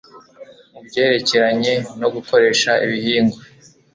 mu byerekeranye no gukoresha ibihingwa